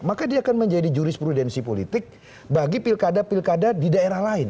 maka dia akan menjadi jurisprudensi politik bagi pilkada pilkada di daerah lain